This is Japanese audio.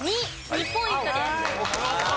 ２ポイントです。